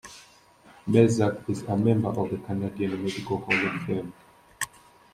Melzack is a Member of the Canadian Medical Hall of Fame.